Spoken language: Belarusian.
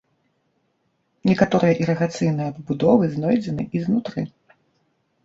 Некаторыя ірыгацыйныя пабудовы знойдзены і знутры.